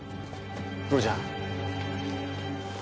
黒ちゃん。